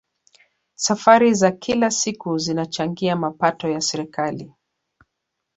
safari za kila siku zinachangia mapato ya serikali